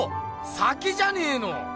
「鮭」じゃねえの！